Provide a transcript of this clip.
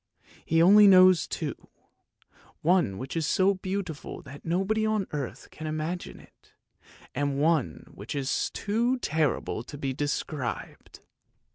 He only knows two, one which is so beautiful that nobody on earth can imagine it, and one which is too horrible to be described!